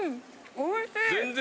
おいしい！